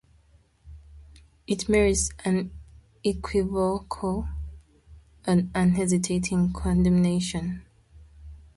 It merits unequivocal and unhesitating condemnation.